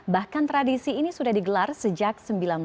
bahkan tradisi ini sudah digelar sejak seribu sembilan ratus sembilan puluh